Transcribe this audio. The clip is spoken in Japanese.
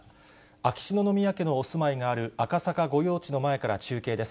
秋篠宮家のお住まいがある赤坂御用地の前から中継です。